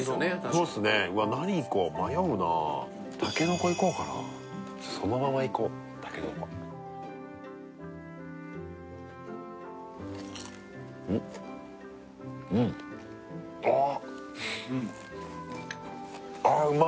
そうですね何いこう迷うなたけのこいこうかなそのままいこうたけのこうっうんあっ